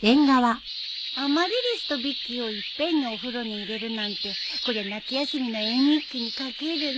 アマリリスとビッキーをいっぺんにお風呂に入れるなんてこりゃ夏休みの絵日記に書けるね。